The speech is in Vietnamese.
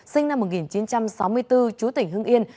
sinh năm một nghìn chín trăm sáu mươi bốn chú tỉnh hưng yên